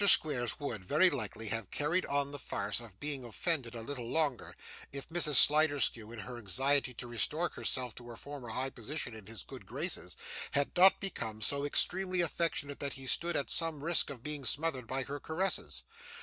Squeers would, very likely, have carried on the farce of being offended a little longer, if Mrs. Sliderskew, in her anxiety to restore herself to her former high position in his good graces, had not become so extremely affectionate that he stood at some risk of being smothered by her caresses.